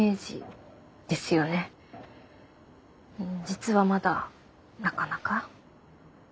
実はまだなかなか。